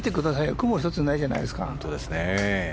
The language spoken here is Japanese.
雲一つないじゃないですか。